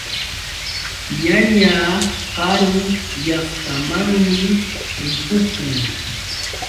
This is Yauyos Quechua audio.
Ñañaa karu llaqtamanmi ripukun.